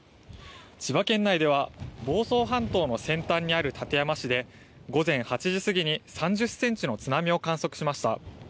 千葉県内では房総半島の先端にある館山市で午前８時過ぎに３０センチの津波を観測しました。